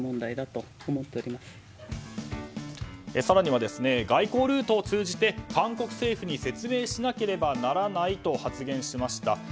更には、外交ルートを通じて韓国政府に説明しなければならないと発言しました。